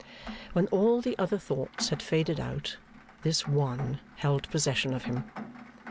When all the other thoughts had faded out, this one held possession of him.